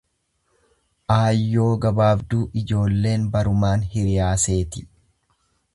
Aayyoo gabaabduu ijoolleen barumaan hiriyaa seeti.